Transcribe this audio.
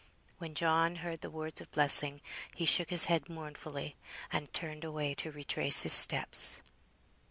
When John heard the words of blessing, he shook his head mournfully, and turned away to retrace his steps.